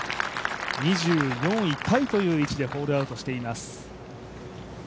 ２４位タイという位置でホールアウトしています。